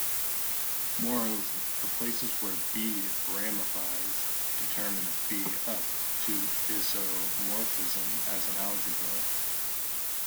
Moreover, the places where "B" ramifies determines "B" up to isomorphism as an algebra.